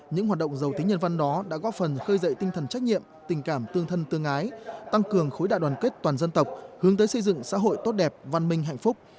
những hoạt động giàu tính nhân văn đó đã góp phần khơi dậy tinh thần trách nhiệm tình cảm tương thân tương ái tăng cường khối đại đoàn kết toàn dân tộc hướng tới xây dựng xã hội tốt đẹp văn minh hạnh phúc